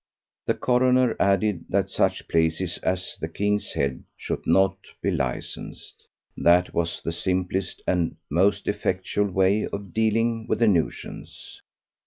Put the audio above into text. The coroner added that such places as the "King's Head" should not be licensed. That was the simplest and most effectual way of dealing with the nuisance.